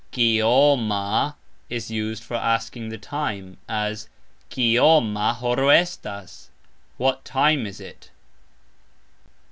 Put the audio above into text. "Kioma" is used for asking the time, as "Kioma horo estas"? What time is it?